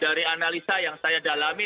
dari analisa yang saya dalami